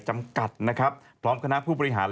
จำกัดนะครับพร้อมคณะผู้บริหาร